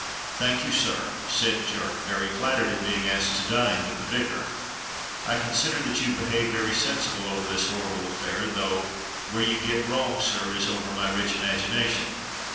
"Thank you, sir," said Jerk, very flattered at being asked to dine with the vicar. I consider that you've behaved very sensible over this horrible affair, though where you get wrong, sir, is over my *rich imagination.'